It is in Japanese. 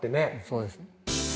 そうですね